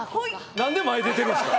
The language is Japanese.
何で前出てるんすか？